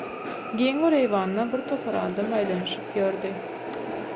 Giň bir eýwanda birtopar adam aýlanyşyp ýördi.